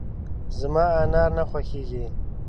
زما انار نه خوښېږي .